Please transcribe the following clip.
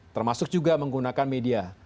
termasuk juga menggunakan media